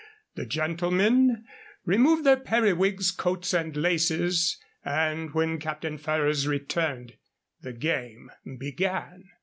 The gentlemen removed their periwigs, coats, and laces, and when Captain Ferrers returned, the game began.